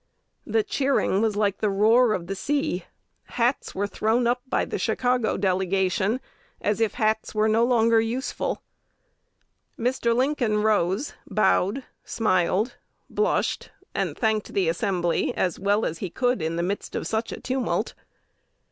"The cheering was like the roar of the sea. Hats were thrown up by the Chicago delegation, as if hats were no longer useful." Mr. Lincoln rose, bowed, smiled, blushed, and thanked the assembly as well as he could in the midst of such a tumult.